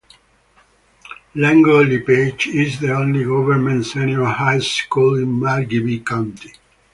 Lango Lippaye is the only Government Senior High School in Margibi county.